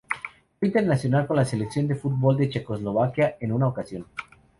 Fue internacional con la selección de fútbol de Checoslovaquia en una ocasión.